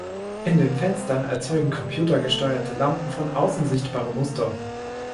In den Fenstern erzeugen computergesteuerte Lampen von außen sichtbare Muster.